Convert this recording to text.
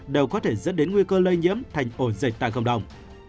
đều có thể dẫn đến nguy cơ lây nhiễm thành ổ dịch tại cộng đồng